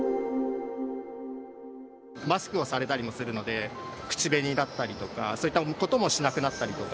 マスクをされたりもするので、口紅だったりとか、そういったこともしなくなったりとか。